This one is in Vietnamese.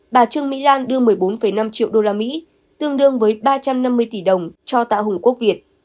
bà trương mỹ lan đưa một mươi bốn năm triệu usd cho tạ hùng quốc việt